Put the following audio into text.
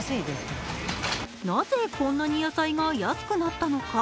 なぜこんなに野菜が安くなったのか。